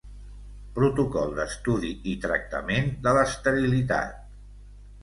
Protocol d'estudi i tractament de l'esterilitat.